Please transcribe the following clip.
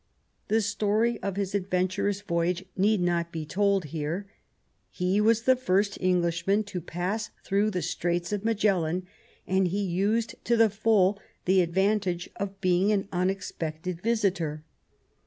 The story of his adventurous voyage need not be told here. He was the first Englishman who passed through the Straits of Magellan, and he used to the full the advantage of being an unexpected visitor.